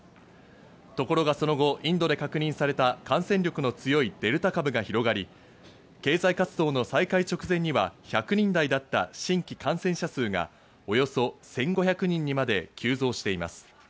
ところがその後、インドで確認された感染力の強いデルタ株が広がり、経済活動の再開直前には１００人台だった新規感染者数がおよそ１５００人にまで急増しています。